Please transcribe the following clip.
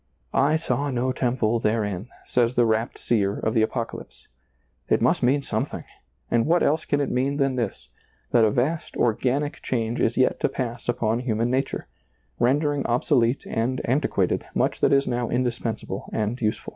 " I saw no temple therein," says the rapt seer of the Apoca lypse. It must mean something, and what else can it mean than this, that a vast organic change is yet to pass upon human nature, rendering obso lete and antiquated much that is now indispens able and useful.